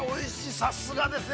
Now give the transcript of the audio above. さすがですね。